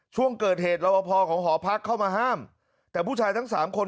ช่วงเกิดเหตุรอบพอของหอพักเข้ามาห้ามแต่ผู้ชายทั้งสามคน